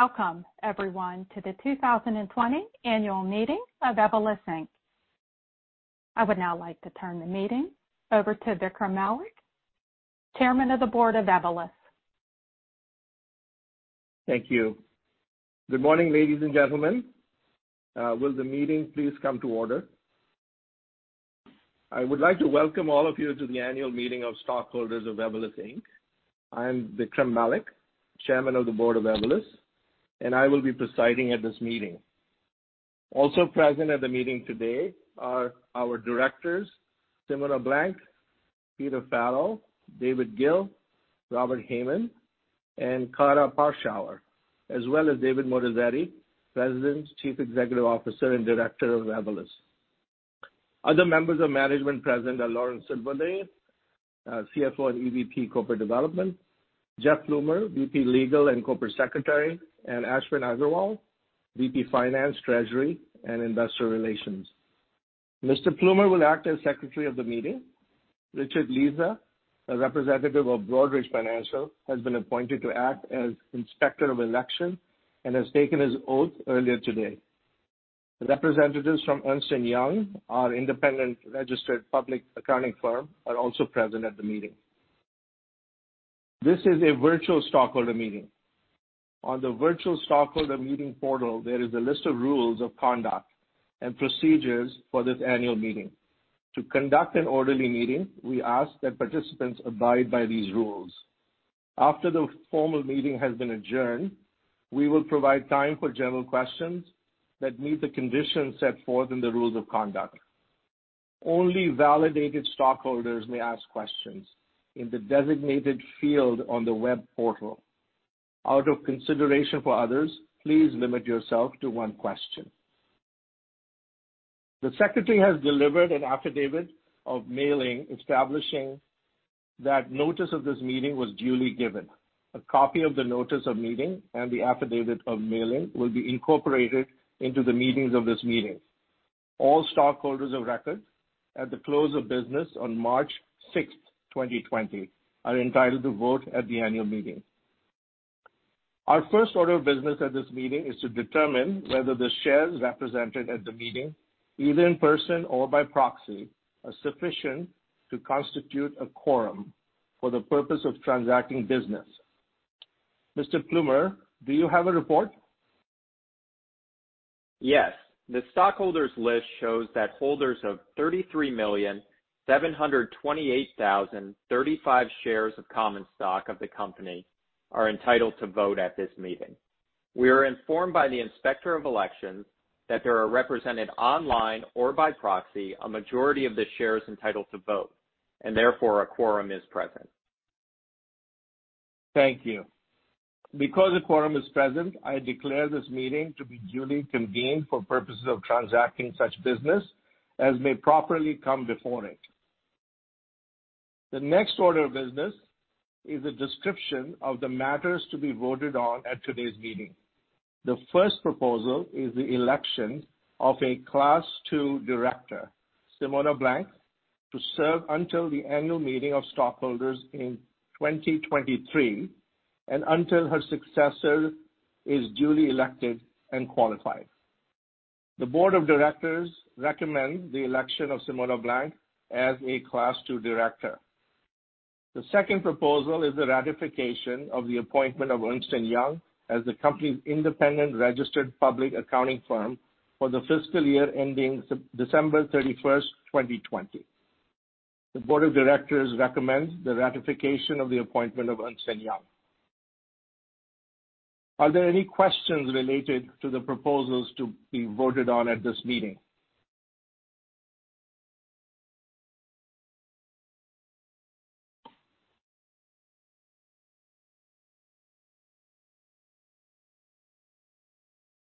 Welcome, everyone to the 2020 annual meeting of Evolus, Inc. I would now like to turn the meeting over to Vikram Malik, Chairman of the Board of Evolus. Thank you. Good morning, ladies and gentlemen. Will the meeting please come to order? I would like to welcome all of you to the annual meeting of stockholders of Evolus, Inc. I am Vikram Malik, Chairman of the Board of Evolus, and I will be presiding at this meeting. Also present at the meeting today are our directors, Simone Blank, Peter Farrell, David Gill, Robert Hayman, and Karah Parschauer, as well as David Moatazedi, President, Chief Executive Officer, and Director of Evolus. Other members of management present are Lauren Silvernail, CFO and EVP, Corporate Development, Jeff Plumer, VP, Legal and Corporate Secretary, and Ashwin Agarwal, VP, Finance, Treasury, and Investor Relations. Mr. Plumer will act as Secretary of the meeting. Richard Liese, a representative of Broadridge Financial, has been appointed to act as Inspector of Election and has taken his oath earlier today. Representatives from Ernst & Young, our independent registered public accounting firm, are also present at the meeting. This is a virtual stockholder meeting. On the virtual stockholder meeting portal, there is a list of rules of conduct and procedures for this annual meeting. To conduct an orderly meeting, we ask that participants abide by these rules. After the formal meeting has been adjourned, we will provide time for general questions that meet the conditions set forth in the rules of conduct. Only validated stockholders may ask questions in the designated field on the web portal. Out of consideration for others, please limit yourself to one question. The Secretary has delivered an affidavit of mailing establishing that notice of this meeting was duly given. A copy of the notice of meeting and the affidavit of mailing will be incorporated into the minutes of this meeting. All stockholders of record at the close of business on March 6th, 2020 are entitled to vote at the annual meeting. Our first order of business at this meeting is to determine whether the shares represented at the meeting, either in person or by proxy, are sufficient to constitute a quorum for the purpose of transacting business. Mr. Plumer, do you have a report? Yes. The stockholders list shows that holders of 33,728,035 shares of common stock of the company are entitled to vote at this meeting. We are informed by the Inspector of Election that there are represented online or by proxy, a majority of the shares entitled to vote, and therefore a quorum is present. Thank you. Because a quorum is present, I declare this meeting to be duly convened for purposes of transacting such business as may properly come before it. The next order of business is a description of the matters to be voted on at today's meeting. The first proposal is the election of a Class II Director, Simone Blank, to serve until the annual meeting of stockholders in 2023 and until her successor is duly elected and qualified. The Board of Directors recommend the election of Simone Blank as a Class II Director. The second proposal is the ratification of the appointment of Ernst & Young as the company's independent registered public accounting firm for the fiscal year ending December 31st, 2020. The Board of Directors recommends the ratification of the appointment of Ernst & Young. Are there any questions related to the proposals to be voted on at this meeting?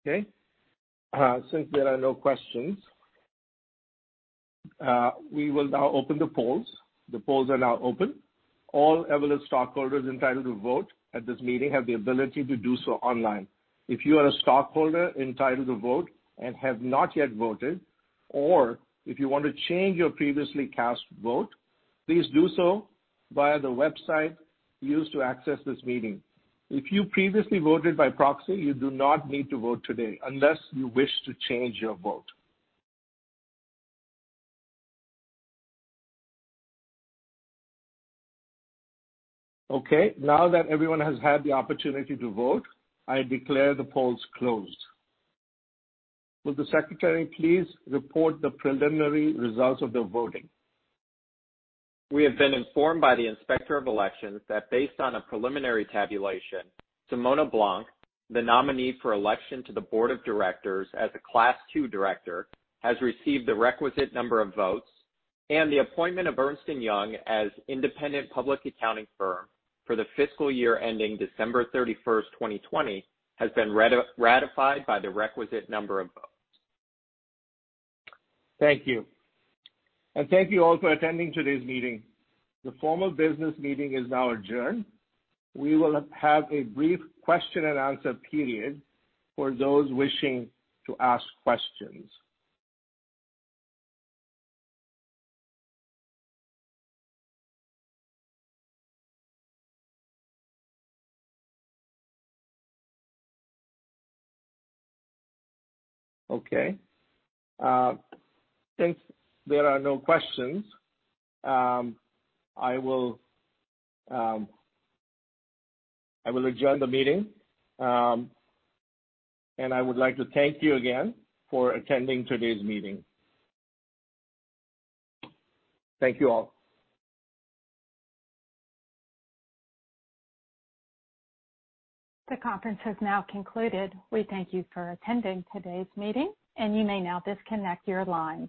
Okay. Since there are no questions, we will now open the polls. The polls are now open. All Evolus stockholders entitled to vote at this meeting have the ability to do so online. If you are a stockholder entitled to vote and have not yet voted, or if you want to change your previously cast vote, please do so via the website used to access this meeting. If you previously voted by proxy, you do not need to vote today unless you wish to change your vote. Okay. Now that everyone has had the opportunity to vote, I declare the polls closed. Will the Secretary please report the preliminary results of the voting? We have been informed by the Inspector of Election that based on a preliminary tabulation, Simone Blank, the nominee for election to the Board of Directors as a Class II Director, has received the requisite number of votes, and the appointment of Ernst & Young as independent public accounting firm for the fiscal year ending December 31st, 2020, has been ratified by the requisite number of votes. Thank you. Thank you all for attending today's meeting. The formal business meeting is now adjourned. We will have a brief question and answer period for those wishing to ask questions. Okay. Since there are no questions, I will adjourn the meeting. I would like to thank you again for attending today's meeting. Thank you all. The conference has now concluded. We thank you for attending today's meeting. You may now disconnect your lines.